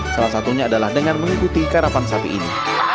salah satunya adalah dengan mengikuti karapan sapi ini